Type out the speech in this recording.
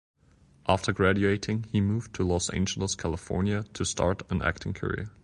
After graduating he moved to Los Angeles, California to start an acting career.